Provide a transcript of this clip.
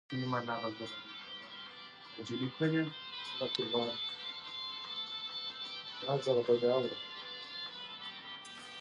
پابندي غرونه د افغان کورنیو د دودونو مهم عنصر دی.